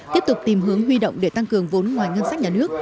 tiếp tục tìm hướng huy động để tăng cường vốn ngoài ngân sách nhà nước